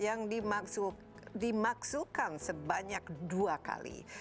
yang dimaksudkan sebanyak dua kali